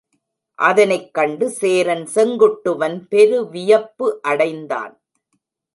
அதனைக் கண்டு சேரன் செங்குட்டுவன் பெருவியப்பு அடைந்தான்.